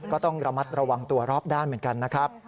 ก็ต้องระมัดระวังตัวรอบด้านเหมือนกันนะครับ